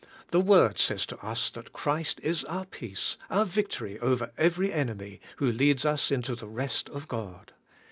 The Word says to us that Christ is our Peace, our Victory over every enemy, who leads us into the rest of God.